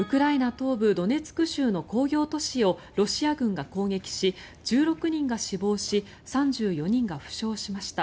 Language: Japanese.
東部ドネツク州の工業都市をロシア軍が攻撃し１６人が死亡し３４人が負傷しました。